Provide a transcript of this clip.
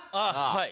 はい。